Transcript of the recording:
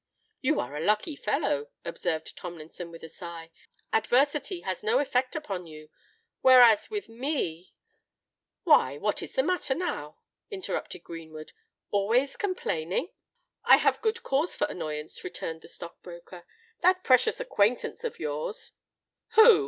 "You are a lucky fellow," observed Tomlinson, with a sigh. "Adversity has no effect upon you; whereas with me——" "Why—what is the matter now?" interrupted Greenwood. "Always complaining?" "I have good cause for annoyance," returned the stock broker. "That precious acquaintance of yours——" "Who?"